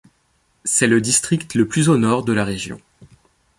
C'est le district le plus au nord de la région.